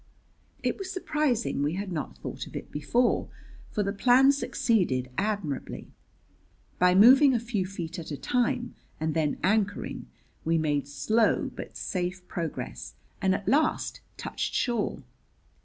It was surprising we had not thought of it before, for the plan succeeded admirably. By moving a few feet at a time and then anchoring, we made slow but safe progress, and at last touched shore.